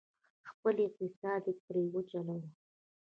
خپل اقتصاد یې پرې وچلوه،